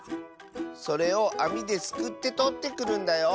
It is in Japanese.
それをあみですくってとってくるんだよ。